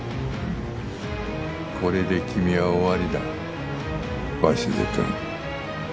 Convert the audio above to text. これで君は終わりだ鷲津君。